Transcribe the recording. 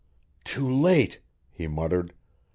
"Too late!" he muttered.